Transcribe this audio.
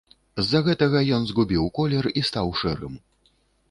З-за гэтага ён згубіў колер і стаў шэрым.